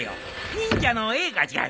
忍者の映画じゃよ。